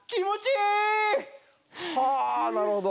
はあなるほど。